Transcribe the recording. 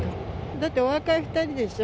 だってお若い２人でしょ。